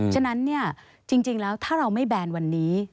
ฉะนั้นจริงแล้วถ้าเราไม่แบนวันนี้